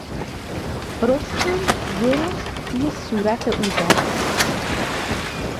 رستم درست توی صورت او زد.